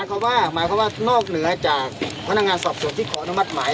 หมายคำว่าหมายคำว่านอกเหนือจากพนักงานสอบส่งที่ขอน้ำมัดหมาย